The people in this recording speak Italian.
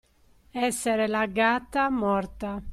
Essere la gatta morta.